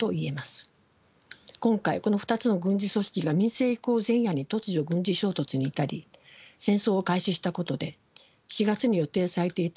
今回この２つの軍事組織が民政移行前夜に突如軍事衝突に至り戦争を開始したことで４月に予定されていた民政移行